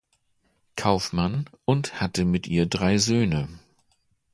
Kauffmann, und hatte mit ihr drei Söhne.